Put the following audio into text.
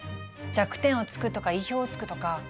弱点をつくとか意表をつくとか。